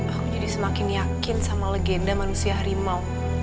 aku jadi semakin yakin sama legenda manusia harimau